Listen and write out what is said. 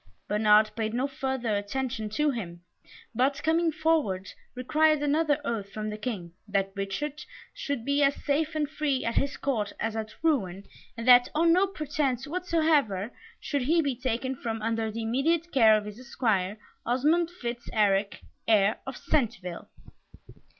Bernard paid no further attention to him, but, coming forward, required another oath from the King, that Richard should be as safe and free at his court as at Rouen, and that on no pretence whatsoever should he be taken from under the immediate care of his Esquire, Osmond Fitz Eric, heir of Centeville.